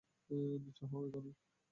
নিচু হও, এখনই!